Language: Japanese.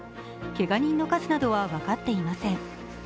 けが人の数などは分かっていません。